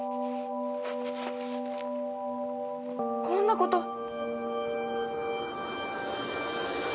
こんなこと。